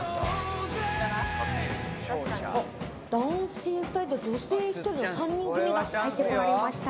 男性２人と女性１人の３人組が入ってこられました。